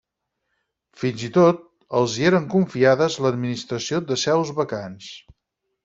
Fins i tot els hi eren confiades l'administració de seus vacants.